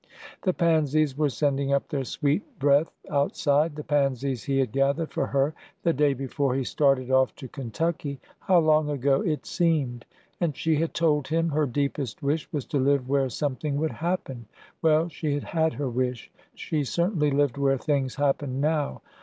The pansies were sending up their sweet breath out side— the pansies he had gathered for her the day before he started oif to Kentucky— how long ago it seemed!— and she had told him her deepest wish was to live where something would happen. Well, she had had her wish! she certainly lived where things happened now